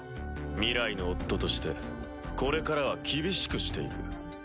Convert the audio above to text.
未来の夫としてこれからは厳しくしていく。